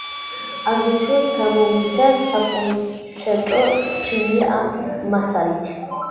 აგრეთვე გამოვიდა საკონცერტო ფილმი ამ მასალით.